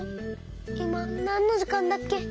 いまなんのじかんだっけ？